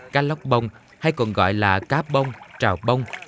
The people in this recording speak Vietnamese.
cá lóc bông hay còn gọi là cá bông trà bông